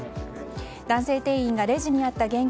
男性店員がレジにあった現金